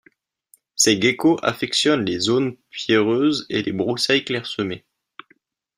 Ces geckos affectionnent les zones pierreuses et les broussailles clairsemées.